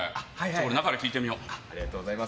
中で聞いてみよう。